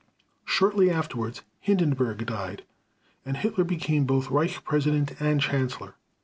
Shortly afterwards Hindenburg died, and Hitler became both Reich President and Chancellor.